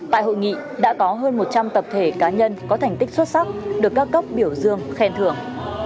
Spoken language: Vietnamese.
tại hội nghị đã có hơn một trăm linh tập thể cá nhân có thành tích xuất sắc được các cấp biểu dương khen thưởng